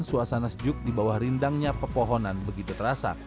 suasana sejuk di bawah rindangnya pepohonan begitu terasa